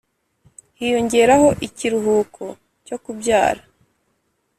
hiyongeraho ikiruhuko cyo kubyara